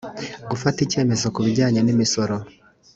gufata icyemezo ku bijyanye n imisoro